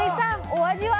お味は？